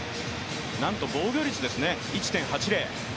なんと防御率ですね、１．８０。